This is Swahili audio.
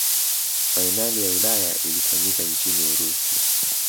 fainali ya ulaya ilifanyika nchini urusi